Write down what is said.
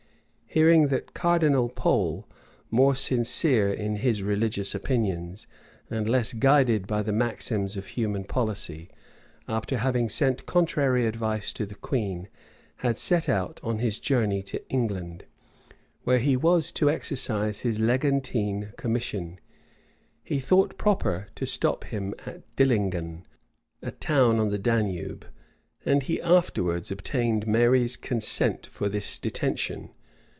Hearing that Cardinal Pole, more sincere in his religious opinions, and less guided by the maxims of human policy, after having sent contrary advice to the queen, had set out on his journey to England, where he was to exercise his legatine commission, he thought proper to stop him at Dillinghen, a town on the Danube; and he afterwards obtained Mary's consent for this detention.